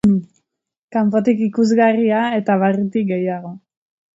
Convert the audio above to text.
Kanpotik ikusgarria, eta barrutik gehiago.